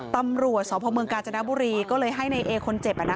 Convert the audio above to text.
ตำรวจสพเมืองกาญจนบุรีก็เลยให้ในเอคนเจ็บ